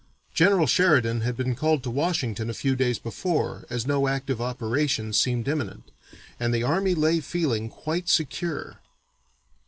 General Sheridan had been called to Washington a few days before, as no active operations seemed imminent, and the army lay feeling quite secure.